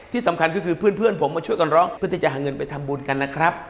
ที่สำคัญก็คือเพื่อนผมมาช่วยกันร้องเพื่อที่จะหาเงินไปทำบุญกันนะครับ